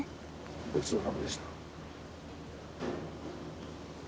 ごちそうさまでした。